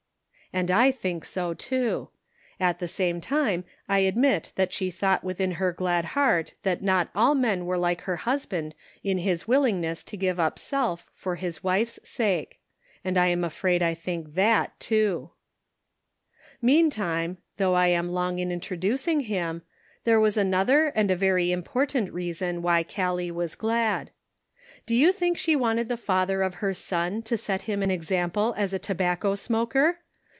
And I think so, too. At the same time I admit that she thought within her glad heart that not all men were like her husband in his willingness to give up self for his wife's sake; and I am afraid I think that, also. The Ends Meet. '' 331 Meantime, though I am long in introducing him, there was another and a very important reason why Callie was glad. Do you think she wanted the father of her son to set him an example as a tobacco smoker